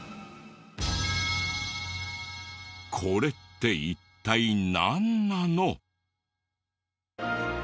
これって一体なんなの？